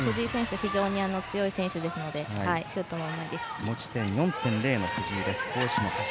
非常に強い選手ですのでシュートもうまいですし。